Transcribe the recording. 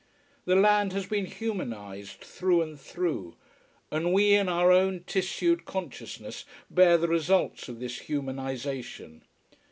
The land has been humanised, through and through: and we in our own tissued consciousness bear the results of this humanisation.